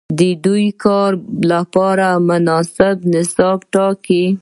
دوی ددې کار لپاره مناسب نصاب ټاکي.